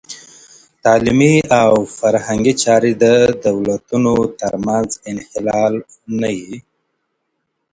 تعلیمي او فرهنګي چاري د دولتو ترمنځ انحلال نه يي.